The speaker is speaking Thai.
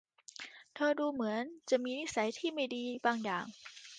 เธอดูเหมือนจะมีนิสัยที่ไม่ดีบางอย่าง